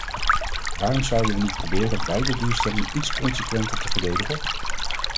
Waarom zouden we niet proberen beide doelstellingen iets consequenter te verdedigen?